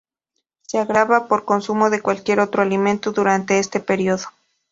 Se agrava por consumo de cualquier otro alimento durante este período.